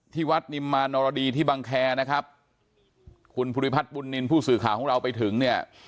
ที่วัดนิมมานรดีที่บังแครนะครับคุณผู้สื่อข่าวของเราไปถึงเนี่ย